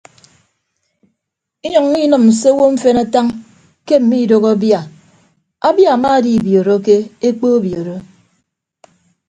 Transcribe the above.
Inyʌññọ inịm se owo mfen atañ ke mmiidoho abia abia amaadibiọọrọke ekpo obioro.